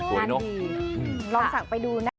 ลองสั่งไปดูนะ